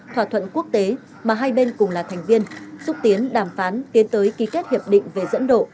thỏa thuận quốc tế mà hai bên cùng là thành viên xúc tiến đàm phán tiến tới ký kết hiệp định về dẫn độ